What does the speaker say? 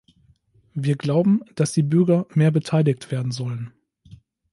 Wir glauben, dass die Bürger mehr beteiligt werden sollen.